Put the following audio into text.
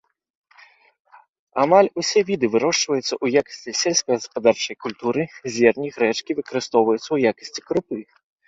Амаль усе віды вырошчваюцца ў якасці сельскагаспадарчай культуры, зерні грэчкі выкарыстоўваюцца ў якасці крупы.